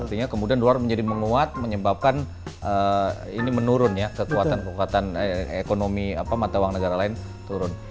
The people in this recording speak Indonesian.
artinya kemudian dolar menjadi menguat menyebabkan ini menurun ya kekuatan kekuatan ekonomi mata uang negara lain turun